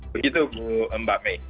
begitu bu mbak may